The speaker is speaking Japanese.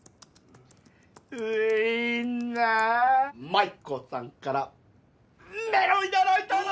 みんな舞子さんからメロンいただいたの！